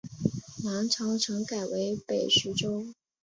南朝陈改为北徐州。